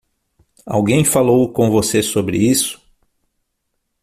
Alguém falou com você sobre isso?